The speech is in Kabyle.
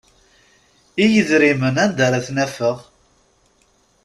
I yidrimen anda ara t-nafeɣ?